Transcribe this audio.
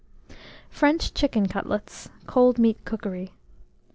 FRENCH CHICKEN CUTLETS (Cold Meat Cookery).